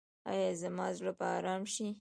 ایا زما زړه به ارام شي؟